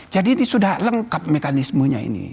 jadi ini sudah lengkap mekanismenya ini